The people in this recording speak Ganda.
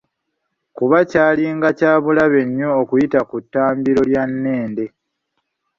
Kuba kyalinga kyabulabe nnyo okuyita ku ttambiro lya Nnende.